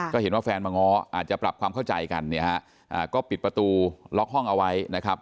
ก็เห็นว่าแฟนมาง้ออาจจะปรับความเข้าใจกันเนี่ยฮะก็ปิดประตูล็อกห้องเอาไว้นะครับ